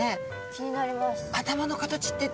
気になります。